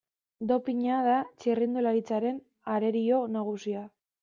Dopina da txirrindularitzaren arerio nagusia.